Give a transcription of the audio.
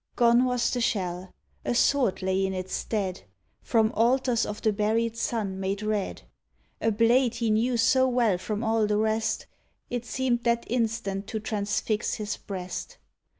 Gone was the shell; a sword lay in its stead, From altars of the buried sun made red — A blade he knew so well from all the rest It seemed that instant to transfix his breast.